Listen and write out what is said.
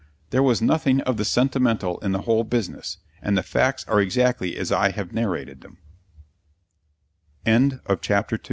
There was nothing of the sentimental in the whole business, and the facts are exactly as I have narrated the